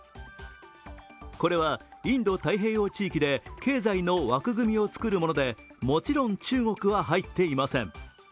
これはインド太平洋地域で経済の枠組みを作るものでもちろん、中国は入っていません。